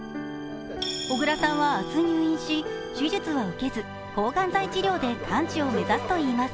小倉さんは明日入院し、手術は受けず抗がん剤治療で完治を目指すといいます。